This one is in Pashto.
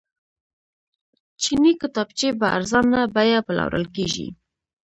چیني کتابچې په ارزانه بیه پلورل کیږي.